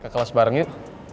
ke kelas bareng yuk